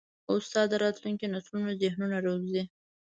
استاد د راتلونکي نسلونو ذهنونه روزي.